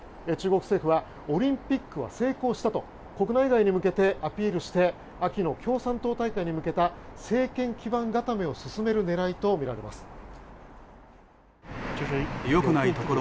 中国政府は、オリンピックは成功したと国内外に向けてアピールして秋の共産党大会に向けた政権基盤固めを進める狙いとみられます。